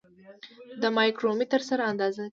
د مایکرومتر سره اندازه کیږي.